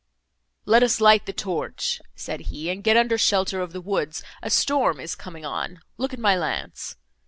"Let us light the torch," said he, "and get under shelter of the woods;—a storm is coming on—look at my lance."